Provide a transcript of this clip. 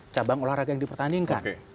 cabang olahraga yang dipertandingkan